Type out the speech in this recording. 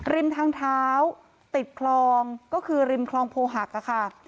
ริมทางเท้าติดคลองก็คือริมคลองโพหักค่ะ